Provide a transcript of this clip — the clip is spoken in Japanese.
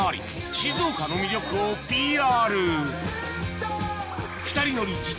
静岡の魅力をＰＲ